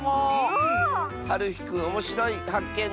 はるひくんおもしろいはっけん